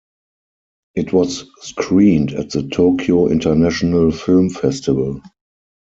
It was screened at the Tokyo International Film Festival.